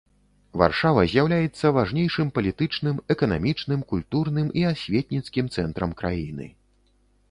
Варшава з'яўляецца важнейшым палітычным, эканамічным, культурным і асветніцкім цэнтрам краіны.